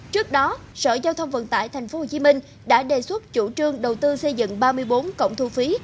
trước đó sở giao thông vận tải tp hcm đã đề xuất chủ trương đầu tư xây dựng ba mươi bốn cổng thu phí